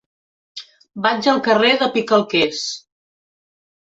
Vaig al carrer de Picalquers.